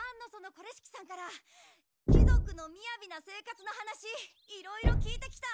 是式さんから貴族のみやびな生活の話いろいろ聞いてきた！